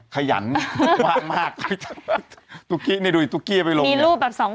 ขยันมากสำนักเลยตุ๊กี้นี่ดูสิตุ๊กี้เอาไปลง